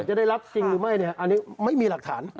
จะได้รับจริงหรือไม่เนี่ยอันนี้ไม่มีหลักฐาน